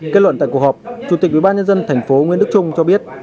kết luận tại cuộc họp chủ tịch ubnd thành phố nguyên đức trung cho biết